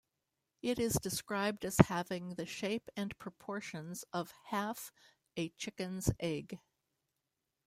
It is described as having the shape and proportions of half a chicken's egg.